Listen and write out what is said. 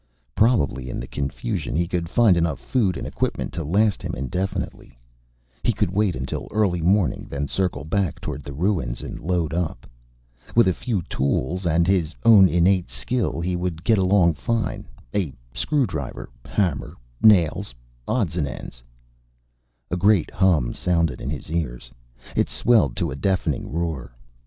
Probably in the confusion he could find enough food and equipment to last him indefinitely. He could wait until early morning, then circle back toward the ruins and load up. With a few tools and his own innate skill he would get along fine. A screwdriver, hammer, nails, odds and ends A great hum sounded in his ears. It swelled to a deafening roar.